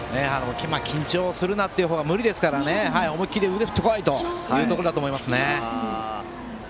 緊張するなという方が無理ですから思い切り腕を振ってこいというところだと思います。